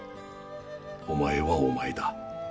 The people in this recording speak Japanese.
お前はお前だ。